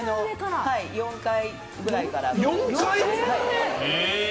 ４階くらいから。